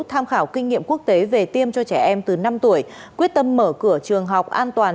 tham khảo kinh nghiệm quốc tế về tiêm cho trẻ em từ năm tuổi quyết tâm mở cửa trường học an toàn